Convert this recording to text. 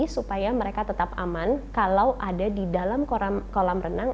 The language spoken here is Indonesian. supaya mereka tetap aman kalau ada di dalam kolam renang